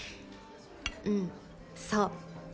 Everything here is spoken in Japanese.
うんそう。